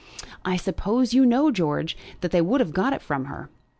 "I suppose you know, George, they would have got it from her."